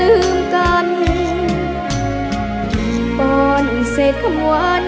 ภูมิสุภาพยาบาลภูมิสุภาพยาบาล